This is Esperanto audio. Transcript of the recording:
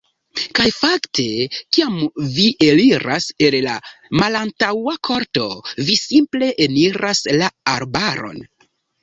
Kaj fakte, kiam vi eliras el la malantaŭa korto, vi simple eniras la arbaron.